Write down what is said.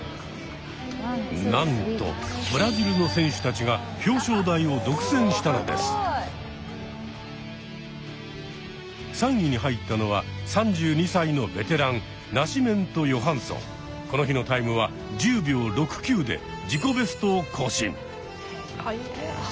なんとブラジルの選手たちが３位に入ったのは３２歳のベテランこの日のタイムは１０秒６９で自己ベストを更新。